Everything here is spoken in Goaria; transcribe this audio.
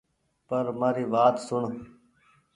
پر مآري وآت سوڻ